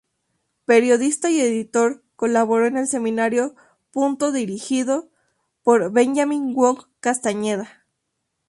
Periodista y editor, colaboró en el semanario Punto dirigido por Benjamín Wong Castañeda.